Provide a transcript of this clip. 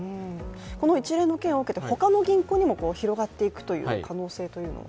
この一連の件を受けて、他の銀行にも広がっていく可能性は？